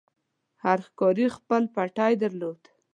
هر ښکاري خپل پټی درلود.